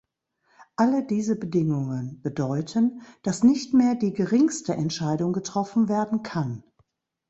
Alle diese Bedingungen bedeuten, dass nicht mehr die geringste Entscheidung getroffen werden kann.